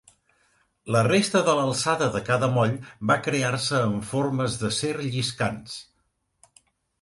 La resta de l'alçada de cada moll va crear-se amb formes d'acer lliscants.